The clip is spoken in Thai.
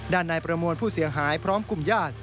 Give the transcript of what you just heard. ด้านในประมวลผู้เสียหายพร้อมกลุ่มญาติ